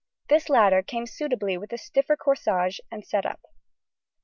This latter came suitably with the stiffer corsage and set up.